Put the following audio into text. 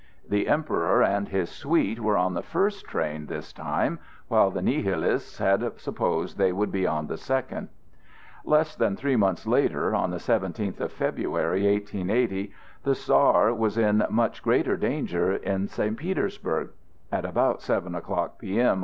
The Emperor and his suite were on the first train this time, while the Nihilists had supposed they would be on the second. Less than three months later, on the seventeenth of February, 1880, the Czar was in much greater danger at St. Petersburg. At about seven o'clock P.M.